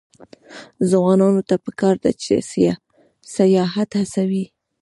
ځوانانو ته پکار ده چې، سیاحت هڅوي.